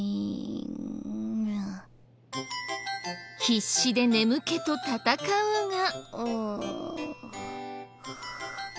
必死で眠気と戦うが。